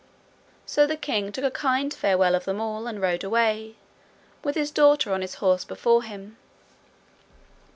So the king took a kind farewell of them all and rode away, with his daughter on his horse before him.